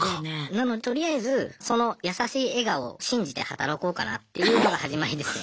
なのでとりあえずその優しい笑顔を信じて働こうかなっていうのが始まりですね。